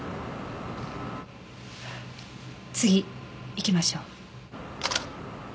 次いきましょう。